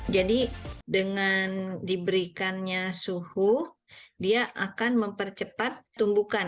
jadi dengan diberikannya suhu dia akan mempercepat tumbukan